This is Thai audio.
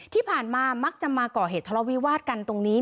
ที่ผ่านมามักจะมาก่อเหตุทะเลาวิวาสกันตรงนี้